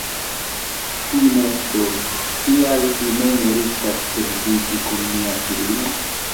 Fine do, kial vi ne meritas edziĝi kun mia filino?